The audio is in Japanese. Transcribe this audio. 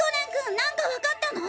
何かわかったの！？